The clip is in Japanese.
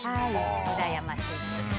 うらやましいです。